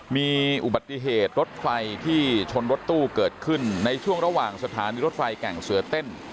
มีอุบัติเหตุรถไฟที่ชนรถตู้เกิดขึ้นในช่วงระหว่างสถานีรถไฟแก่งเสือเต้น